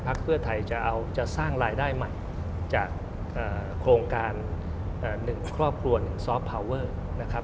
ภักด่อไทยจะสร้างรายได้ใหม่จากโครงการ๑ครอบครัว๑ซอฟท์พาเวอร์